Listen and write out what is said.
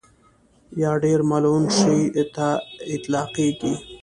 یا ډېر ملعون شي ته اطلاقېږي.